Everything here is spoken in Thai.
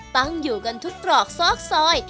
ตั้งอยู่กันทุกตรอกซอกซอย